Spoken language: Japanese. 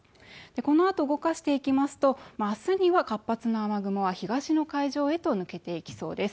このあと動かしていきますと明日には活発な雨雲は東の海上へと抜けていきそうです。